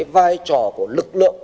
vai trò của lực lượng